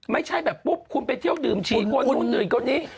ไม่ใช่แบบปุ๊บคุมไปเที่ยวดื่มฉี่คนหนึ่งคนนี้